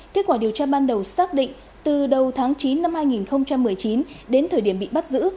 kết quả điều tra ban đầu xác định từ đầu tháng chín năm hai nghìn một mươi chín đến thời điểm bị bắt giữ